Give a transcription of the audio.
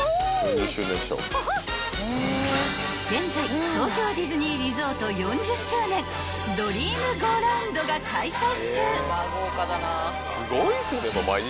［現在東京ディズニーリゾート４０周年”ドリームゴーラウンド”が開催中］